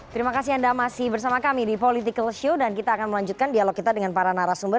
terima kasih anda masih bersama kami di political show dan kita akan melanjutkan dialog kita dengan para narasumber